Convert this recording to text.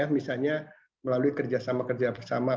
misalnya melalui kerjasama kerjasama